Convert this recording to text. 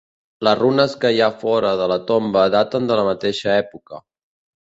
Les runes que hi ha fora de la tomba daten de la mateixa època.